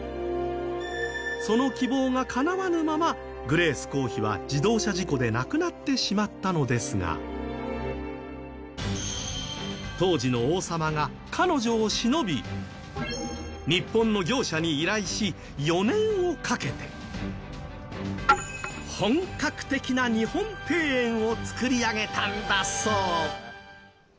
その希望がかなわぬままグレース公妃は自動車事故で亡くなってしまったのですが当時の王様が彼女をしのび日本の業者に依頼し４年をかけて本格的な日本庭園を造り上げたんだそう。